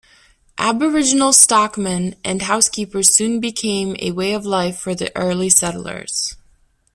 Aboriginal stockmen and housekeepers soon became a way of life for the early settlers.